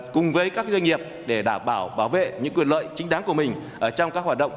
cùng với các doanh nghiệp để đảm bảo bảo vệ những quyền lợi chính đáng của mình trong các hoạt động